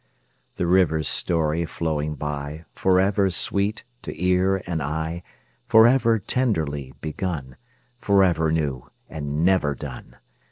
The river's story flowing by, Forever sweet to ear and eye, Forever tenderly begun Forever new and never done.